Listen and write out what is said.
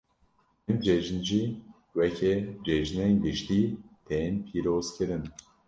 Hin cejn jî weke cejinên giştî tên pîrozkirin.